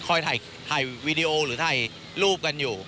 ถ่ายวีดีโอหรือถ่ายรูปกันอยู่